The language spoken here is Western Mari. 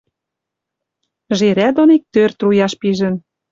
Жерӓ дон иктӧр труяш пижӹн